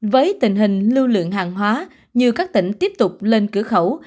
với tình hình lưu lượng hàng hóa như các tỉnh tiếp tục lên cửa khẩu